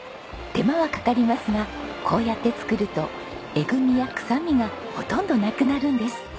手間はかかりますがこうやって作るとえぐみや臭みがほとんどなくなるんです。